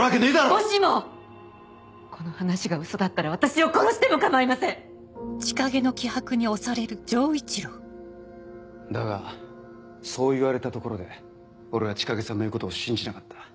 もしもこの話がウソだったら私を殺しだがそう言われたところで俺は千景さんの言うことを信じなかった。